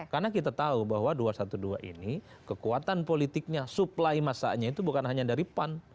karena kita tahu bahwa dua ratus dua belas ini kekuatan politiknya suplai masanya itu bukan hanya dari pan